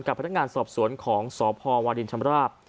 พนักงานสอบสวนของสพวาดินชำราบ